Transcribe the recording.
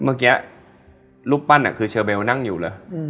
เมื่อกี้รูปปั้นคือเชอเบลนั่งอยู่เลย